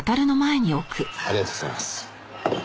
ありがとうございます。